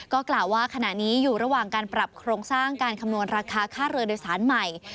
ก็กล่าวว่าขณะนี้อยู่ระหว่างการปรับโครงสร้างการคำนวณราคาค่าเรือโดยสารใหม่